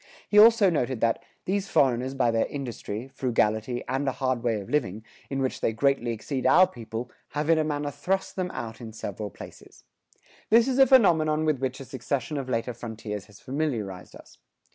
He also noted that "these foreigners by their industry, frugality, and a hard way of living, in which they greatly exceed our people, have in a manner thrust them out in several places."[110:1] This is a phenomenon with which a succession of later frontiers has familiarized us.